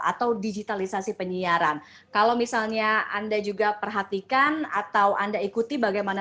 atau digitalisasi penyiaran kalau misalnya anda juga perhatikan atau anda ikuti bagaimana